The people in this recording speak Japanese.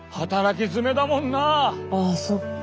あそっか！